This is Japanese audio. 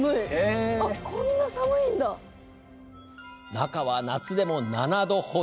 中は、夏でも７度程。